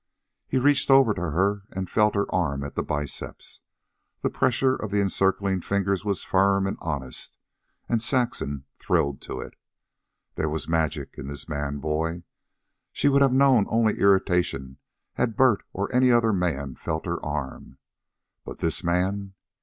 He reached over to her and felt her arm at the biceps. The pressure of the encircling fingers was firm and honest, and Saxon thrilled to it. There was magic in this man boy. She would have known only irritation had Bert or any other man felt her arm. But this man!